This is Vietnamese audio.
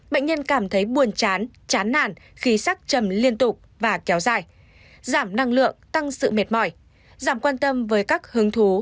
bệnh nhân cảm thấy buồn chán chán nản khi sắc trầm liên tục và kéo dài giảm năng lượng tăng sự mệt mỏi giảm quan tâm với các hứng thú